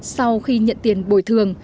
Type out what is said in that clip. sau khi nhận tiền bồi thường